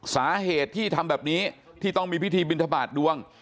สาเหตุที่ทำแบบนี้ที่ต้องมีพิธีบินทบาทดวง